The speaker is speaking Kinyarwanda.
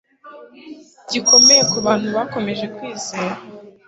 gikomeye ku bantu bakomeje kwizera